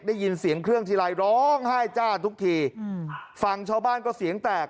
ได้ยินเสียงเครื่องทีไรร้องไห้จ้าทุกทีอืมฟังชาวบ้านก็เสียงแตก